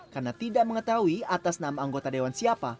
karena tidak mengetahui atas nama anggota dewan siapa